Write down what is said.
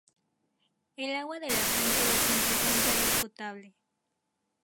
El agua de la Fuente de Fuente Santa es potable.